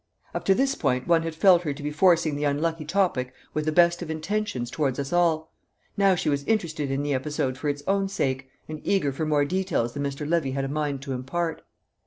Up to this point one had felt her to be forcing the unlucky topic with the best of intentions towards us all; now she was interested in the episode for its own sake, and eager for more details than Mr. Levy had a mind to impart.